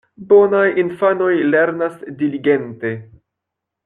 Bonaj infanoj lernas diligente.